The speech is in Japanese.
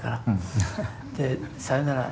「さよなら」